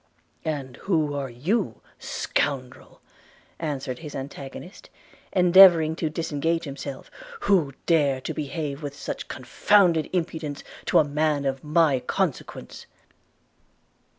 'And who are you, scoundrel,' answered his antagonist, endeavouring to disengage himself, 'who dare to behave with such confounded impudence to a man of my consequence?'